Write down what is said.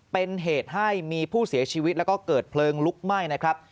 เป็นเหตุให้มีผู้เสียชีวิตแล้วก็เกิดเพลิงลุกไหม้นะครับ